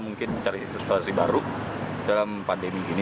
mungkin cari situasi baru dalam pandemi ini